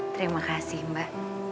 terima kasih mbak